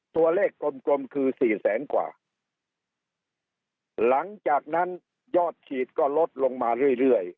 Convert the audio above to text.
กลมกลมคือสี่แสนกว่าหลังจากนั้นยอดฉีดก็ลดลงมาเรื่อยเรื่อย